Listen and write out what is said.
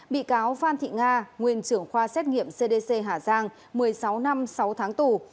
bị cáo phan thị nga nguyên trưởng khoa xét nghiệm cdc hà giang một mươi sáu năm sáu tháng tù